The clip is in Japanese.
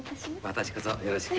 私こそよろしく。